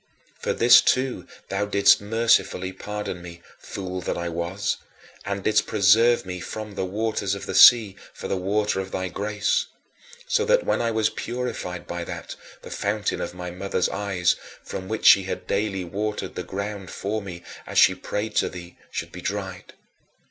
For this too thou didst mercifully pardon me fool that I was and didst preserve me from the waters of the sea for the water of thy grace; so that, when I was purified by that, the fountain of my mother's eyes, from which she had daily watered the ground for me as she prayed to thee, should be dried.